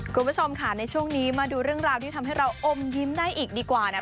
คุณผู้ชมค่ะในช่วงนี้มาดูเรื่องราวที่ทำให้เราอมยิ้มได้อีกดีกว่านะ